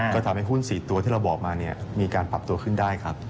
ก็ทำให้หุ้น๔ตัวที่เราบอกมามีการปรับตัวขึ้นได้ครับ